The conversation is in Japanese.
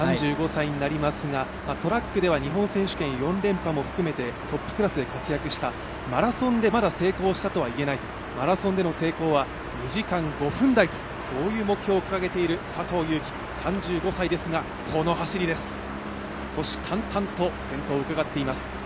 ３５歳になりますがトラックでは日本選手権４連覇も含めてトップクラスで活躍した、マラソンでまだ成功したとは言えないと、マラソンでの成功は２時間５分台という目標を掲げている佐藤悠基、３５歳ですがこの走りです。